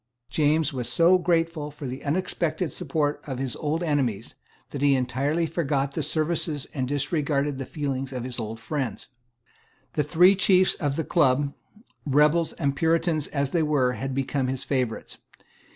James was so grateful for the unexpected support of his old enemies, that he entirely forgot the services and disregarded the feelings of his old friends. The three chiefs of the Club, rebels and Puritans as they were, had become his favourites.